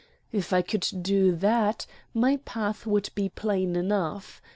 If I could do that, my path would be plain enough.